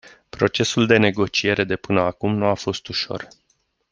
Procesul de negociere de până acum nu a fost ușor.